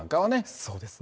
そうですね。